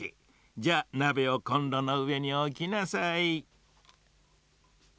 じゃあなべをコンロのうえにおきなさい。